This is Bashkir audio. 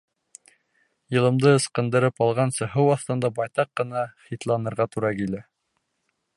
Йылымды ысҡындырып алғансы һыу аҫтында байтаҡ ҡына хитланырға тура килә.